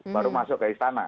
baru masuk ke istana